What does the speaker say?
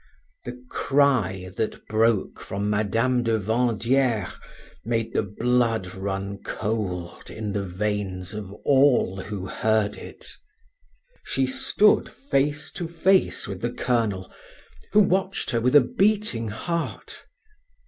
The cry that broke from Mme. de Vandieres made the blood run cold in the veins of all who heard it. She stood face to face with the colonel, who watched her with a beating heart.